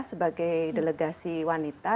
sebagai delegasi wanita